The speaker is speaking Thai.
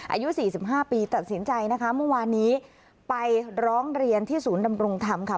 อายุสี่สิบห้าปีตัดสินใจนะคะเมื่อวานนี้ไปร้องเรียนที่ศูนย์ดำรงธรรมค่ะ